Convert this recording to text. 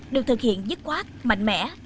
được thực hiện dứt khoát mạnh mẽ